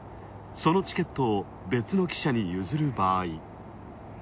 そのチケットを別の記者に譲る場合。